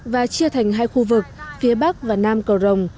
và chia thành hai khu vực phía bắc và nam cầu rồng